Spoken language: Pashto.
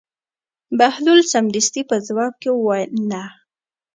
بهلول سمدستي په ځواب کې وویل: نه.